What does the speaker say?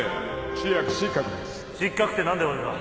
千秋失格って何で俺が？